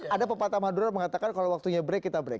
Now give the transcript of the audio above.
ada pepatah madura mengatakan kalau waktunya break kita break